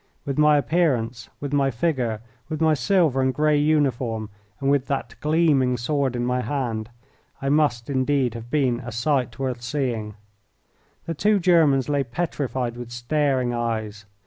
With my appearance, with my figure, with my silver and grey uniform, and with that gleaming sword in my hand, I must indeed have been a sight worth seeing. The two Germans lay petrified with staring eyes.